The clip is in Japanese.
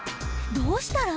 どうしたら？